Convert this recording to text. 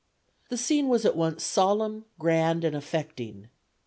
The scene was at once solemn, grand and affecting.